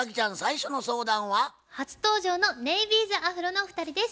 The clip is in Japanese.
初登場のネイビーズアフロのお二人です。